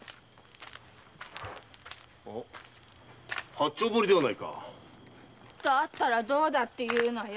八丁堀ではないか⁉だったらどうだって言うのよ！